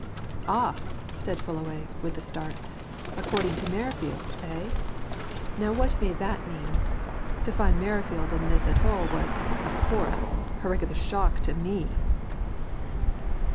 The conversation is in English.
"Ah!" said Fullaway, with a start. "According to Merrifield, eh? Now what may that mean? To find Merrifield in this at all was, of course, a regular shock to me!"